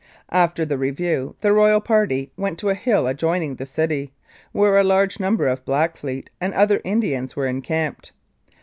After the review, the Royal party went to a hill adjoining the city, where a large number of Blackfeet and other Indians were en camped.